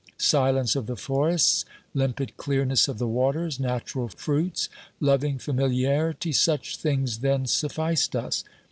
Silence of the forests, limpid clearness of the waters, natural fruits, loving familiarity — such things then sufficed us.